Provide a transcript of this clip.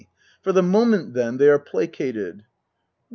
For the moment, then, they are placated